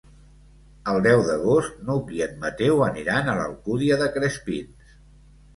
El deu d'agost n'Hug i en Mateu aniran a l'Alcúdia de Crespins.